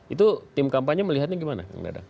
itu tim kampanye melihatnya gimana